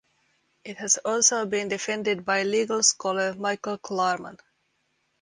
It has also been defended by legal scholar Michael Klarman.